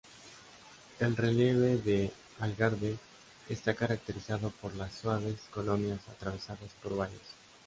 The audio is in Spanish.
El relieve del Algarve está caracterizado por las suaves colinas atravesadas por valles.